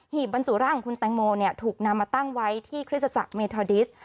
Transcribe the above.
ีบบรรจุร่างของคุณแตงโมถูกนำมาตั้งไว้ที่คริสตจักรเมทอดิส